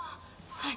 はい！